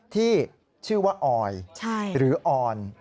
ที่ชื่อว่าออยหรือออน